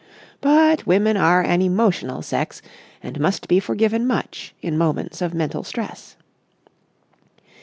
But women are an emotional sex and must be forgiven much in moments of mental stress.